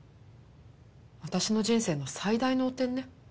私の人生の最大の汚点ね。